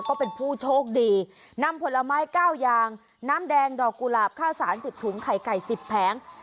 ก็เป็นผู้โชคดีนำผลไม้๙อย่างน้ำแดงดอกกุหลาบข้าวสาร๑๐ถุงไข่ไก่๑๐แผง